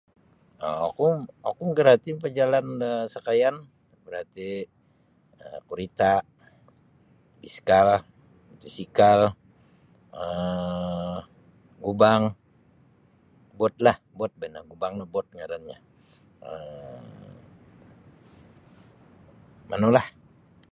um Oku oku magarati mapajalan da sakayan saparati um kurita biskal mutusikal um gubang botlah bot boh ino gubang no bot ngarannyo um manulah.